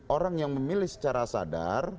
orang yang memilih secara sadar